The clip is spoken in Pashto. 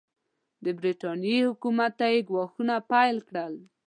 د برټانیې حکومت ته یې ګواښونه پیل کړل.